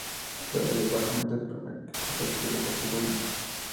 Juega de guardameta, su primer equipo fue el Club Deportivo Olimpia.